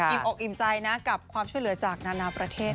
อกอิ่มใจนะกับความช่วยเหลือจากนานาประเทศ